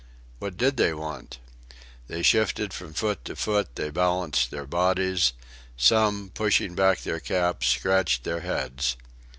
What did they want? They shifted from foot to foot, they balanced their bodies; some, pushing back their caps, scratched their heads.